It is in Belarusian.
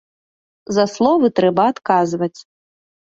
За словы трэба адказваць.